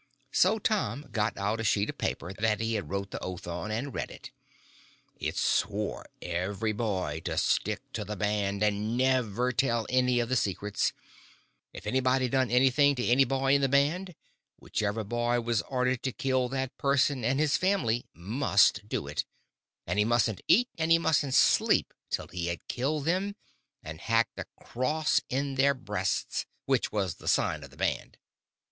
So Tom got out a sheet of paper that he had wrote the oath on, and read it. It swore every boy to stick to the band, and never tell any of the secrets; and if anybody done anything to any boy in the band, whichever boy was ordered to kill that person and his family must do it, and he mustn't eat and he mustn't sleep till he had killed them and hacked a cross in their breasts, which was the sign of the band.